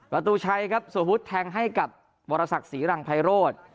ประตูชัยครับสววุฒิแทงให้กับวรสักศรีรังไพโรธ